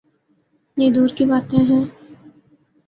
یہ دور کی باتیں ہیں۔